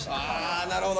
あなるほど。